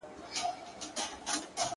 شمعي دي بلیږي او ګډیږي دي ړانده ورته٫